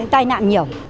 tai nạn nhiều